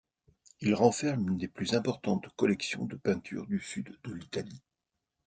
Il renferme une des plus importantes collections de peintures du sud de l'Italie.